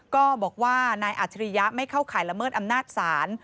ก็บอกว่านายอัจฉริยะไม่เข้าข่ายละเมิดอำนาจศาล